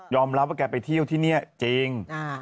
รับว่าแกไปเที่ยวที่นี่จริง